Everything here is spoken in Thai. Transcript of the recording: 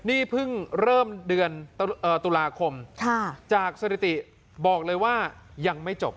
นี่เพิ่งเริ่มเดือนตุลาคมจากสถิติบอกเลยว่ายังไม่จบ